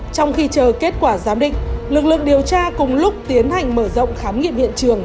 trong khi chờ kết quả giám định lực lượng điều tra cùng lúc tiến hành mở rộng khám nghiệm hiện trường